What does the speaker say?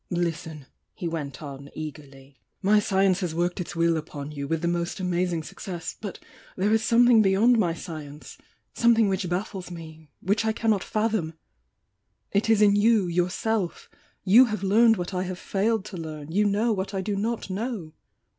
"Listen!" he went on eagerly — "My science has worked its will upon you, with the most amazing success — but there is something beyond my science — something which baflBes me, — which I cannot fath om! It is in you, yourself — you have learned what I have failed to learn, — you know what I do not know!"